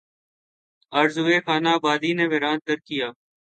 آرزوئے خانہ آبادی نے ویراں تر کیا